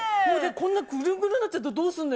こんなぐるんぐるんになっちゃったらどうするのよ。